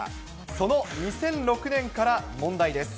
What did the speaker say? その２００６年から問題です。